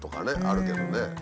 あるけどね。